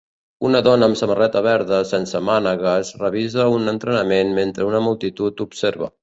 Una dona amb samarreta verda sense mànegues revisa un entrenament mentre una multitud observa.